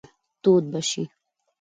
تود به شئ.